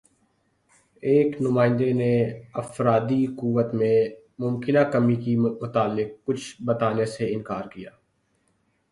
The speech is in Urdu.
ایک نمائندے نے افرادی قوت میں ممکنہ کمی کے متعلق کچھ بتانے سے اِنکار کِیا